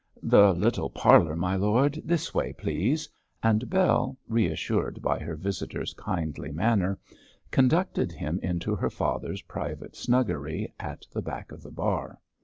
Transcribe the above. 'The little parlour, my lord; this way, please,' and Bell, reassured by her visitor's kindly manner, conducted him into her father's private snuggery at the back of the bar.